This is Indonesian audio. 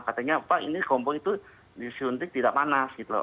katanya pak ini kompol itu disuntik tidak panas gitu loh